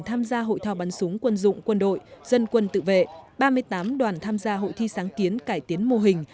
tham gia hội thao bắn súng quân dụng quân đội dân quân tự vệ ba mươi tám đoàn tham gia hội thi sáng kiến cải tiến mô hình